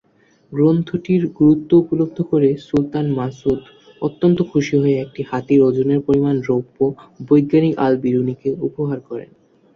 গ্রন্থটির গুরুত্ব উপলব্ধি করে সুলতান মাসউদ অত্যন্ত খুশি হয়ে একটি হাতির ওজনের পরিমাণ রৌপ্য বৈজ্ঞানিক আল-বিরুনিকে উপহার করেন।